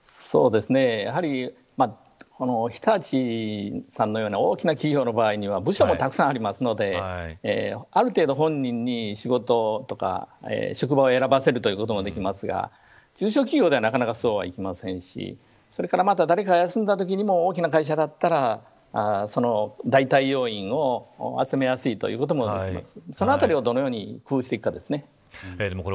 そうですね、やはり日立さんのような大きな企業の場合には部署もたくさんありますのである程度、本人に仕事とか職場を選ばせるということもできますが中小企業ではなかなかそうもいきませんしまた誰かが休んだときにも大きな会社だったらその代替要員を集めやすいということもあります。